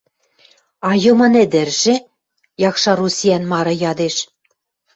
— А Йымын ӹдӹржӹ? — якшар усиӓн мары ядеш.